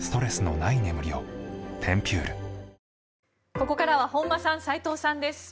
ここからは本間さん、斎藤さんです。